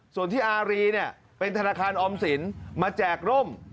ส่วนที่อารีเนี่ยเป็นธนาคารออมสินมาแจกร่ม